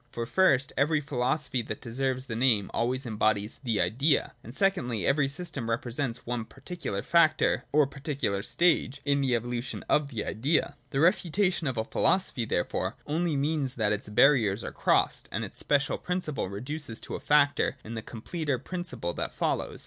Fo first, every philosophy that deserves the name always em bodies the Idea : and secondly, every system represents on particular factor or particular stage in the evolution of th Idea. The refutation of a philosophy, therefore, only mean that its barriers are crossed, and its special principle reduce to a factor in the completer principle that follows.